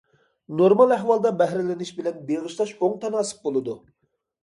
نورمال ئەھۋالدا بەھرىلىنىش بىلەن بېغىشلاش ئوڭ تاناسىپ بولىدۇ.